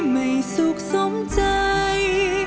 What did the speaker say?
ไม่สุขสมใจ